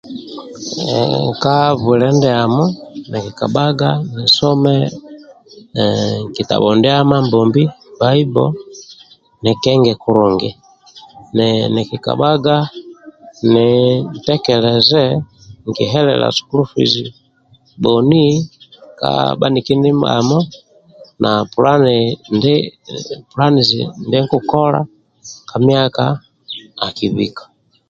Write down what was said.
Ooooh ka bwile ndiamo nikikabhaga nisome kitabo ndia Mambombi bible nikenge kulungi ni nikikabhaga nitekeleze nkihelele sukulu fizi bhoni ka bhaniki ndibhamo na pulani ndi pulanizi ndikukola ka myaka akibika.